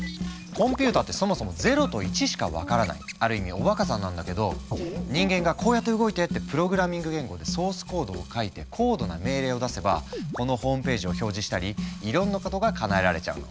コンピューターってそもそも「０」と「１」しか分からないある意味おバカさんなんだけど人間が「こうやって動いて」ってプログラミング言語でソースコードを書いて高度な命令を出せばこのホームページを表示したりいろんなことがかなえられちゃうの。